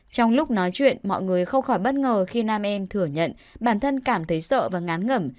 trong lúc nói chuyện mọi người không khỏi bất ngờ khi nam em thừa nhận bản thân cảm thấy sợ và ngán ngẩm